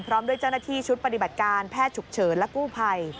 พร้อมด้วยเจ้าหน้าที่ชุดปฏิบัติการแพทย์ฉุกเฉินและกู้ภัย